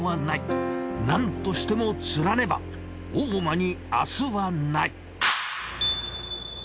なんとしても釣らねば大間に明日はない。